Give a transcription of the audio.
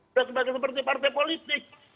udah seperti partai politik